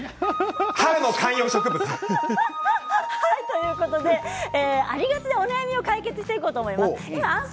春の観葉植物」。ということでありがちなお悩みを解決したいと思います。